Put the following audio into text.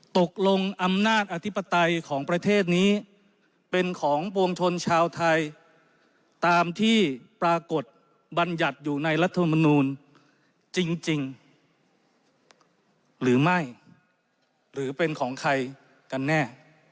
ตกลงอำนาจอธิปไตยของประเทศนี้เป็นของปวงชนชาวไทยตามที่ปรากฏบรรยัติอยู่ในรัฐมนูลจริงหรือไม่หรือเป็นของใครกันแน่